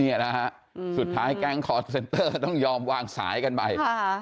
นี่นะฮะสุดท้ายแก๊งคอร์เซ็นเตอร์ต้องยอมวางสายกันไป